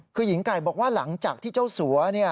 คือหญิงไก่บอกว่าหลังจากที่เจ้าสัวเนี่ย